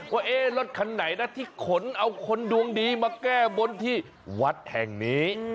ว่ารถคันไหนนะที่ขนเอาคนดวงดีมาแก้บนที่วัดแห่งนี้